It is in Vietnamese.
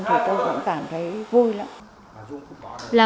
thì tôi cũng cảm thấy vui lắm